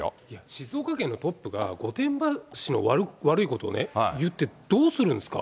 静岡県のトップが、御殿場市の悪いことをね、言ってどうするんですか。